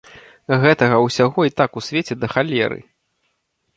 Гэтага ўсяго і так у свеце да халеры.